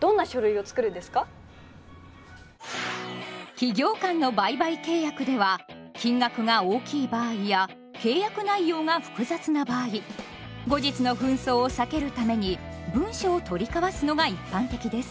企業間の売買契約では金額が大きい場合や契約内容が複雑な場合後日の紛争を避けるために文書を取りかわすのが一般的です。